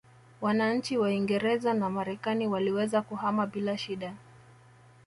Wananchi wa Uingereza na Marekani waliweza kuhama bila shida